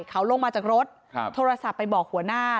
เขาลงมาจากรถโทรศัพท์ไปบอกหัวหน้า